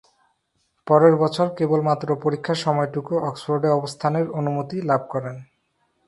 পরের বছর কেবলমাত্র পরীক্ষার সময়টুকু অক্সফোর্ডে অবস্থানের অনুমতি লাভ করেন।